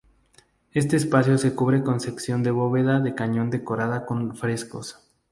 Este espacio se cubre con sección de bóveda de cañón decorada con frescos.